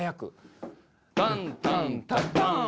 タンタンタタン！